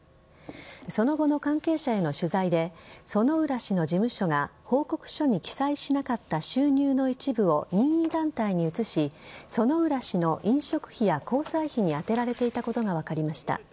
その後の関係者への取材で薗浦氏の事務所が報告書に記載しなかった収入の一部を任意団体に移し薗浦氏の飲食費や交際費に充てられていたことが分かりました。